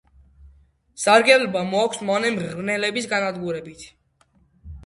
სარგებლობა მოაქვს მავნე მღრღნელების განადგურებით.